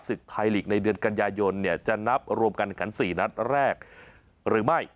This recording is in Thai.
ศึกไทยลีกในเดือนกันยายนจะนับรวมการคัน๔นัดแรกหรือไม่